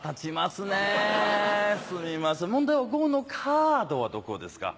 すみません問題は呉のカードはどこですか？